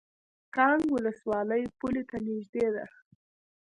کانګ ولسوالۍ پولې ته نږدې ده؟